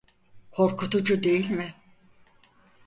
Korkutucu, değil mi?